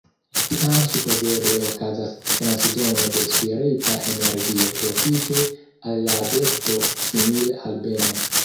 Tiam supozeble okazas transdono de spirita energio profite al la adepto, simile al beno.